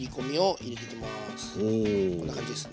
こんな感じですね。